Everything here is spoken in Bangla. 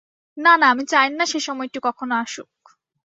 না, না, আমি চাই না সে সময়টি কখনও আসুক।